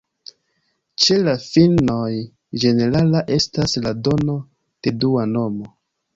Ĉe la finnoj ĝenerala estas la dono de dua nomo.